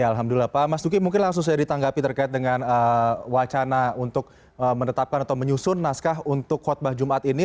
alhamdulillah pak mas duki mungkin langsung saya ditanggapi terkait dengan wacana untuk menetapkan atau menyusun naskah untuk khutbah jumat ini